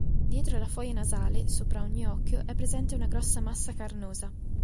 Dietro la foglia nasale sopra ogni occhio è presente una grossa massa carnosa.